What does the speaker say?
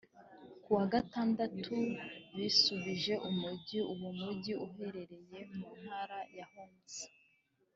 kuwa gatandatu bisubije umujyi uwo mujyi uherereye mu ntara ya Homs